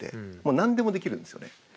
何でもできるんですよね。